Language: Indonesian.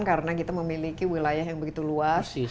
karena kita memiliki wilayah yang begitu luas